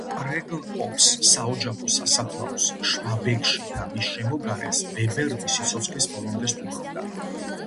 პრეგლჰოფს, საოჯახო სასაფლაოს შვაბეგში და მის შემოგარენს ვებერნი სიცოცხლის ბოლომდე სტუმრობდა.